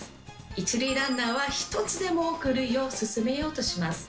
一塁ランナーは一つでも多く塁を進めようとします。